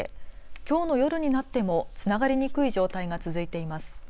きょうの夜になってもつながりにくい状態が続いています。